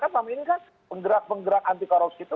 kan selama ini kan penggerak penggerak anti korupsi itu